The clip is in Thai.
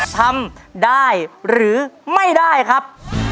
ทำได้หรือไม่ได้ครับ